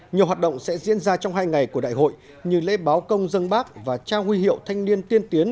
nhiều hoạt động sẽ diễn ra trong hai ngày của đại hội như lễ báo công dân bác và trao huy hiệu thanh niên tiên tiến